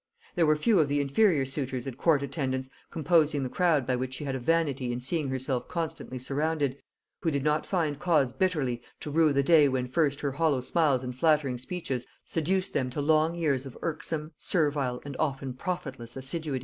There were few of the inferior suitors and court attendants composing the crowd by which she had a vanity in seeing herself constantly surrounded, who did not find cause bitterly to rue the day when first her hollow smiles and flattering speeches seduced them to long years of irksome, servile, and often profitless assiduity.